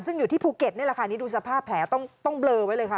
ซึ่งอยู่ที่ภูเก็ตนี่แหละค่ะนี่ดูสภาพแผลต้องเบลอไว้เลยค่ะ